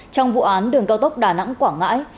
trong vụ án đường cao tốc đà nẵng quảng ngãi